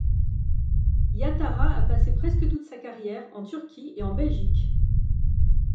Yattara a passé presque toute sa carrière en Turquie et en Belgique.